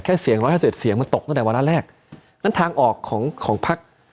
เสียงร้อยห้าสิบเสียงมันตกตั้งแต่วาระแรกนั้นทางออกของของพัก